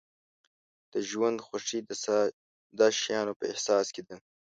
د ژوند خوښي د ساده شیانو په احساس کې ده.